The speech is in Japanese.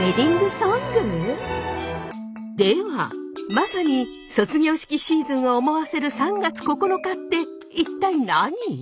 まさに卒業式シーズンを思わせる３月９日って一体何？